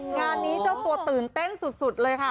งานนี้เจ้าตัวตื่นเต้นสุดเลยค่ะ